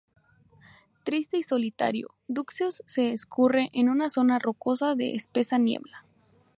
Triste y solitario, Dug se escurre en una zona rocosa de espesa niebla.